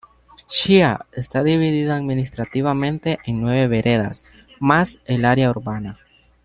Chía está dividida administrativamente en nueve veredas, más el área urbana.